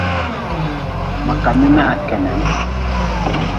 Ma ka mi na ha kenan.